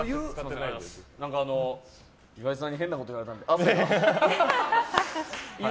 岩井さんに変なこと言われたので汗が。